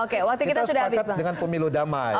kita sepakat dengan pemilu damai